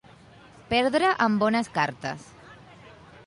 Perdre amb bones cartes.